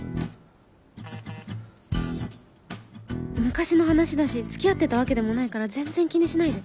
「昔の話だしつきあってたわけでもないから全然気にしないで」。